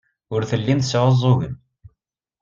Ur tellim tesɛuẓẓugem.